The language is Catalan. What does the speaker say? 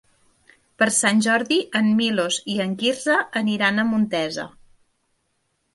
Per Sant Jordi en Milos i en Quirze aniran a Montesa.